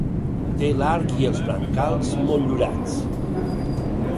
Té l'arc i els brancals motllurats.